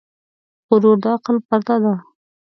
غرور د عقل پرده ده .